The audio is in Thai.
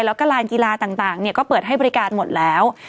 แล้วก็ลานกีฬาต่างก็เปิดให้บริการหมดแล้ว